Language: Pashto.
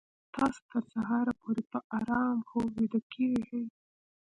تاسو تر سهاره پورې په ارام خوب ویده کیږئ